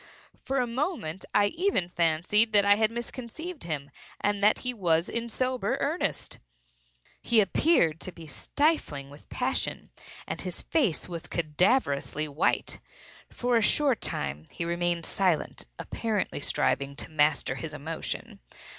For a moment I even fancied that I had misconceived him, and that he was in sober earnest. He appeared to be stifling with passion, and his face was cadaverously white. For a short time he remained silent, apparently striving to master his emotion.